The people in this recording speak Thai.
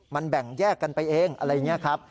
มันแบ่งแยกกันไปเองอะไรอย่างนี้ครับ